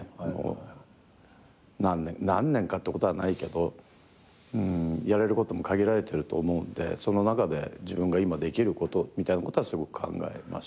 何年かってことはないけどやれることも限られてると思うんでその中で自分が今できることみたいなことはすごく考えました。